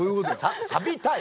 ササビたい？